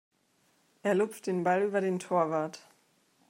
Er lupft den Ball über den Torwart.